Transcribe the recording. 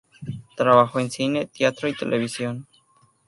Trabajó en cine, teatro y televisión.